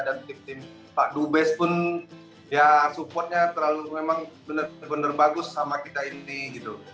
dan tim tim pak dubes pun ya supportnya terlalu memang bener bener bagus sama kita ini gitu